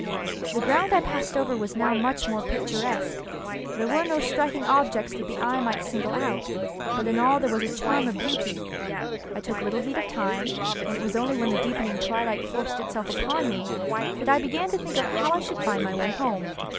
The ground I passed over was now much more picturesque. There were no striking objects that the eye might single out, but in all there was a charm of beauty. I took little heed of time, and it was only when the deepening twilight forced itself upon me that I began to think of how I should find my way home.